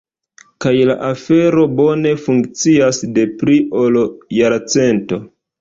Kaj la afero bone funkcias de pli ol jarcento.